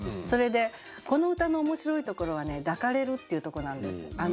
それでこの歌の面白いところはね「抱かれる」っていうとこなんです。